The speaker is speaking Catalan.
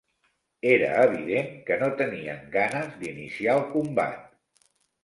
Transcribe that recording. Era evident que no tenien ganes d'iniciar el combat